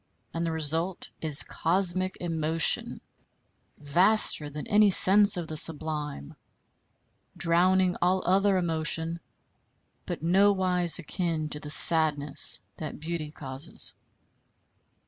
And the result is cosmic emotion vaster than any sense of the sublime, drowning all other emotion, but nowise akin to the sadness that beauty causes.